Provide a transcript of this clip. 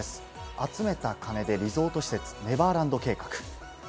集めた金でリゾート施設、ネバーランド計画。